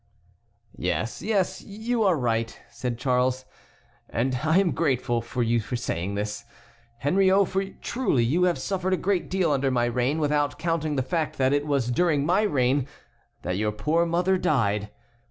"Yes, yes, you are right," said Charles, "and I am grateful to you for saying this, Henriot, for truly you have suffered a great deal under my reign without counting the fact that it was during my reign that your poor mother died.